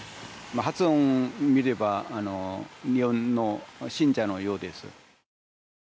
発音を見れば日本の信者のようです。